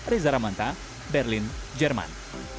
reza ramanta berlin jerman